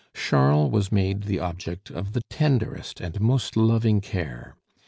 Charles was made the object of the tenderest and most loving care.